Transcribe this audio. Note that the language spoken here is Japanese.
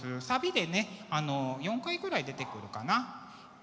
サビでね４回ぐらい出てくるかな。